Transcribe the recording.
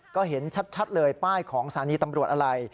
ก็เห็นชัดเลยป้ายของสถานีตำรวจอะไร